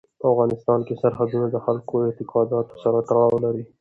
په افغانستان کې سرحدونه د خلکو د اعتقاداتو سره تړاو لري.